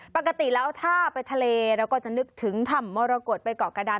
ปกติแล้วถ้าไปทะเลเราก็จะนึกถึงถ้ำมรกฏไปเกาะกระดาน